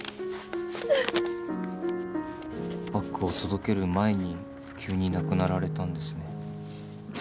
バッグを届ける前に急に亡くなられたんですね。